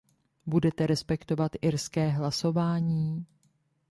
Budete respektovat irské hlasování?